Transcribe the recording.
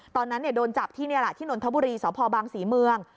ตอนนั้นเนี่ยโดนจับที่เนื้อหลักที่นนทบุรีสภบางศรีเมือง